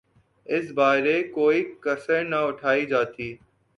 اس بارے کوئی کسر نہ اٹھائی جاتی۔